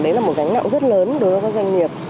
đấy là một gánh nặng rất lớn đối với các doanh nghiệp